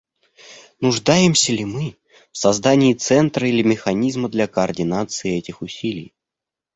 Нуждаемся ли мы в создании центра или механизма для координации этих усилий?